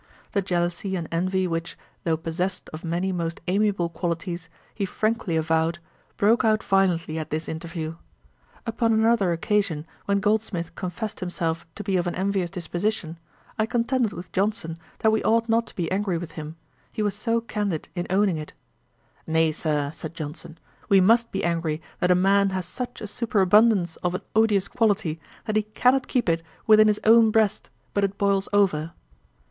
The jealousy and envy which, though possessed of many most amiable qualities, he frankly avowed, broke out violently at this interview. Upon another occasion, when Goldsmith confessed himself to be of an envious disposition, I contended with Johnson that we ought not to be angry with him, he was so candid in owning it. 'Nay, Sir, (said Johnson,) we must be angry that a man has such a superabundance of an odious quality, that he cannot keep it within his own breast, but it boils over.'